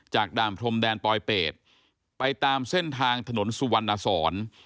ด่านพรมแดนปลอยเป็ดไปตามเส้นทางถนนสุวรรณสอน